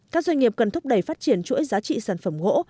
các doanh nghiệp cần thúc đẩy phát triển chuỗi giá trị sản phẩm gỗ